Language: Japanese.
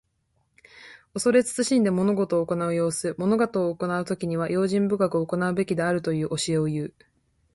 恐れ慎んで物事を行う様子。物事を行うときには、用心深く行うべきであるという教えをいう。